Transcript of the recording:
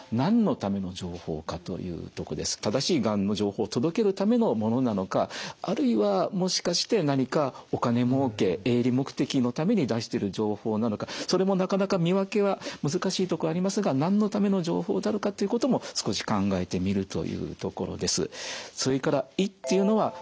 正しいがんの情報を届けるためのものなのかあるいはもしかして何かお金もうけ営利目的のために出してる情報なのかそれもなかなか見分けは難しいとこありますがなんのための情報であるかということも少し考えてみるというところです。